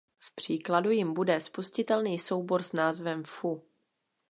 V příkladu jím bude spustitelný soubor s názvem "foo".